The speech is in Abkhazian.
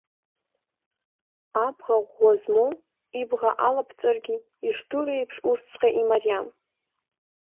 Абӷа ӷәӷәа змоу ибӷа алаԥҵәаргьы, ишудыруа еиԥш, усҵәҟьа имариам.